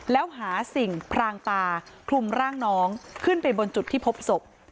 แล้วหาสิ่งพรางตาคลุมร่างน้องขึ้นไปบนจุดที่พบศพ